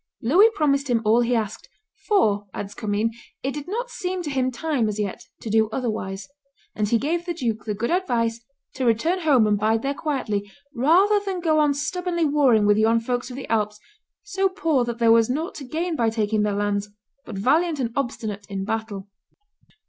Louis promised him all he asked, "for," adds Commynes, "it did not seem to him time, as yet, to do other wise;" and he gave the duke the good advice "to return home and bide there quietly, rather than go on stubbornly warring with yon folks of the Alps, so poor that there was nought to gain by taking their lands, but valiant and obstinate in battle."